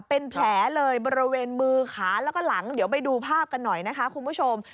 เป็นแผลเลยบริเวณมือขาแล้วก็หลังเดี๋ยวไปดูภาพกันหน่อยนะคะคุณผู้ชม